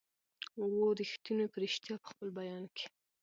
وو ریښتونی په ریشتیا په خپل بیان کي